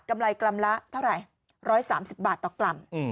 กำไรกลำละเท่าไหร่๑๓๐บาทต่อกลำ